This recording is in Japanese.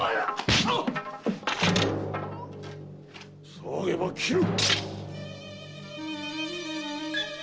騒げば斬る！